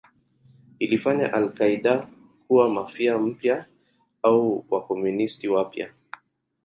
Ilifanya al-Qaeda kuwa Mafia mpya au Wakomunisti wapya.